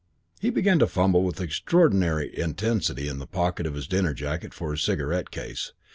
He began to fumble with extraordinary intensity in the pocket of his dinner jacket for his cigarette case.